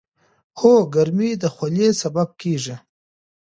هو، ګرمي د خولې سبب کېږي.